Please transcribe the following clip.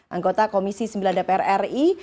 anggota komisi sembilan dpr ri